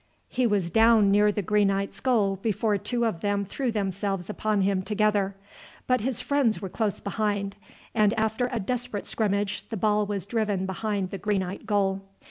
He was down near the Greenites' goal before two of them threw themselves upon him together; but his friends were close behind, and after a desperate scrimmage the ball was driven behind the Greenite goal.